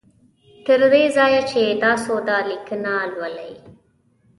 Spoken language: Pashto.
تر دې ځایه چې تاسو دا لیکنه لولی